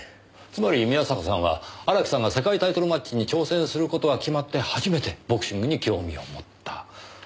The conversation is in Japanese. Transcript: つまり宮坂さんは荒木さんが世界タイトルマッチに挑戦する事が決まって初めてボクシングに興味を持った。